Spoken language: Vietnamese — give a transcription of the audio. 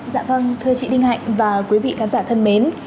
dạ vâng thưa chị đinh hạnh và quý vị khán giả thân mến